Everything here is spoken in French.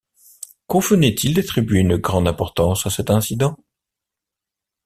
Convenait-il d’attribuer une grande importance à cet incident?